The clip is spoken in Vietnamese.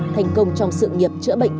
thành công trong sự nghiệp